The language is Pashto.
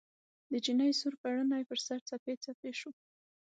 د نجلۍ سور پوړني ، پر سر، څپې څپې شو